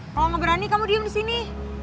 kalo gak berani kamu diem disini